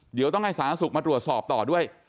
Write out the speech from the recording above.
เดี๋ยวต้องให้สาธารณสุขมาตรวจสอบต่อด้วย